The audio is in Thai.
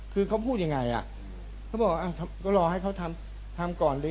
คือเขาพูดยังไงอ่ะเขาบอกว่าก็รอให้เขาทำทำก่อนดี